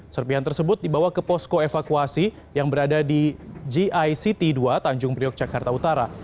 serpihan tersebut dibawa ke posko evakuasi yang berada di gict dua tanjung priok jakarta utara